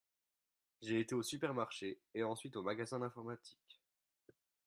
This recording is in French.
J'ai été au supermarché et ensuite au magasin d'informatique.